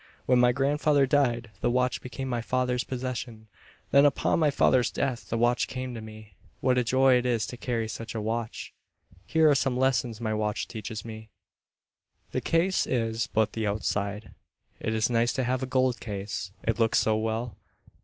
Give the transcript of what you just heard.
When my grandfather died the watch became my father's possession. Then upon my father's death the watch came to me. What a joy it is to carry such a watch! Here are some lessons my watch teaches me. The case is but the outside. It is nice to have a gold case, it looks so well.